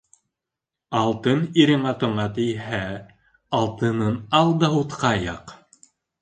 Алтын ирең атыңа тейһә, алтынын ал да утҡа яҡ.